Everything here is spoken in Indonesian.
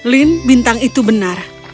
lin bintang itu benar